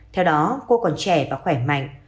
theo đó cô còn trẻ và khỏe mạnh